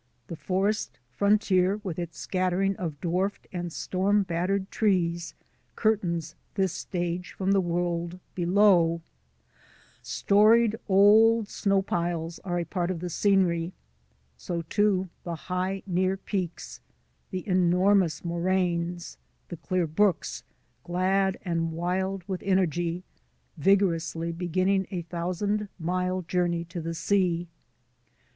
The forest frontier with its scattering of dwarfed and storm battered trees curtains this stage from the world below; storied old snow piles are a part of the scenery; so, too, the high, near peaks; the enormous moraines; the clear brooks — glad and wild with energy, vig orously beginning a thousand mile journey to the sea.